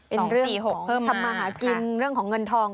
เรื่องของทำมาหากินเรื่องของเงินทอง